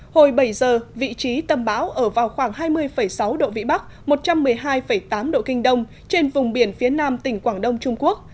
hồi bảy giờ vị trí tâm bão ở vào khoảng hai mươi sáu độ vĩ bắc một trăm một mươi hai tám độ kinh đông trên vùng biển phía nam tỉnh quảng đông trung quốc